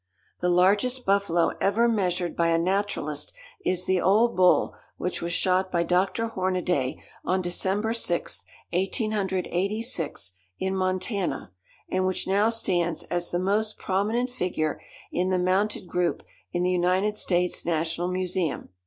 The largest buffalo ever measured by a naturalist is the old bull which was shot by Dr. Hornaday on December 6, 1886, in Montana, and which now stands as the most prominent figure in the mounted group in the United States National Museum.